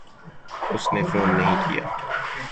اس نے فون نہیں کیا۔